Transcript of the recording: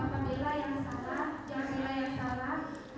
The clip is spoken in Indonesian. apabila yang salah yang salah yang salah